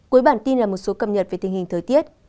cuối bản tin là một số cập nhật về tình hình thời tiết